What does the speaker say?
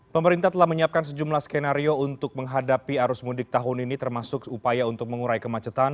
pemerintah telah menyiapkan sejumlah skenario untuk menghadapi arus mudik tahun ini termasuk upaya untuk mengurai kemacetan